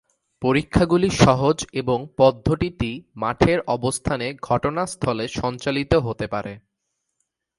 পরীক্ষাগুলি সহজ এবং পদ্ধতিটি মাঠের অবস্থানে ঘটনাস্থলে সঞ্চালিত হতে পারে।